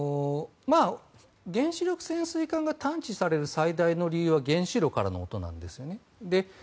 原子力潜水艦が探知される最大の理由は原子炉からの音なんですよね。